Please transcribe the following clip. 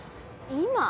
今？